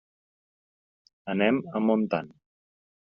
Anem a Montant.